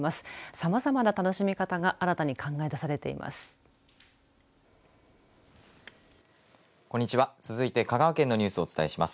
さまざまな楽しみ方が新たに考えだされています。